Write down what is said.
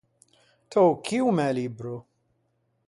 T’ô chì o mæ libbro!